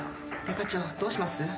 デカ長どうします？